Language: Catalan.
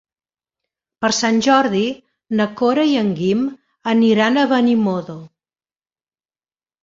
Per Sant Jordi na Cora i en Guim aniran a Benimodo.